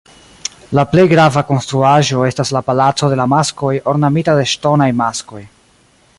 La plej grava konstruaĵo estas la "palaco de la maskoj", ornamita de ŝtonaj maskoj.